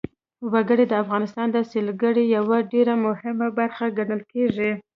وګړي د افغانستان د سیلګرۍ یوه ډېره مهمه برخه ګڼل کېږي.